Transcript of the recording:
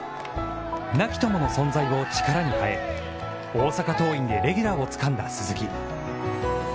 亡き友の存在を力にかえ大阪桐蔭でレギュラーをつかんだ鈴木。